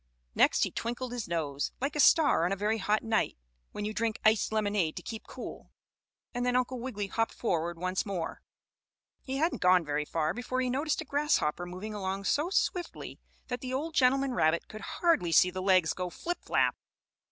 Next he twinkled his nose, like a star on a very hot night, when you drink iced lemonade to keep cool, and then Uncle Wiggily hopped forward once more. He hadn't gone very far before he noticed a grasshopper moving along so swiftly that the old gentleman rabbit could hardly see the legs go flip flap.